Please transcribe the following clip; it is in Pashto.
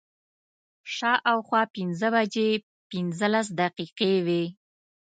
شا او خوا پنځه بجې پنځلس دقیقې وې.